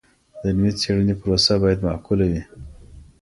د علمي څیړني پروسه باید معقوله وي.